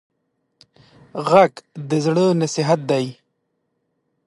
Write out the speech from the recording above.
غږ د زاړه نصیحت دی